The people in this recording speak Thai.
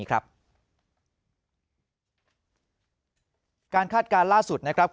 การคาดการณ์ล่าสุด